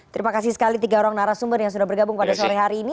terima kasih sekali tiga orang narasumber yang sudah bergabung pada sore hari ini